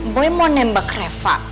boy mau nembak reva